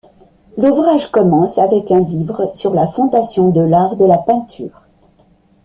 L'ouvrage commence avec un livre sur la fondation de l'art de la peinture.